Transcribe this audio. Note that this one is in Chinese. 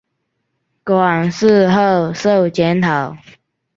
馆试后授检讨。